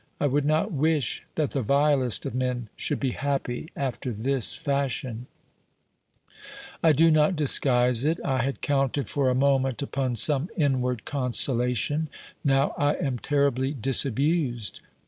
I would not wish that the vilest of men should be happy after this fashion ! I do not disguise it, I had counted for a moment upon some inward consolation ; now I am terribly disabused.